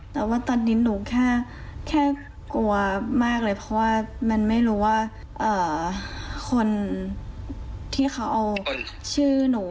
แต่ว่าตอนนี้หนูแค่กลัวมากเลยเพราะว่ามันไม่รู้ว่าคนที่เขาเอาชื่อหนู